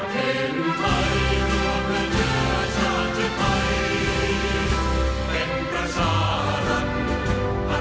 พระไทยของใครทุกส่วนอยู่ดังรอบของไว้ยายหลังกวน